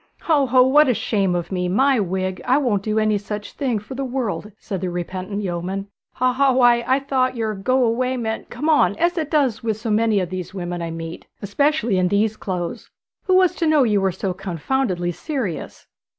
'Ho, ho; what a shame of me! My wig, I won't do any such thing for the world,' said the repentant yeoman. 'Haw, haw; why, I thought your "go away" meant "come on," as it does with so many of the women I meet, especially in these clothes. Who was to know you were so confoundedly serious?'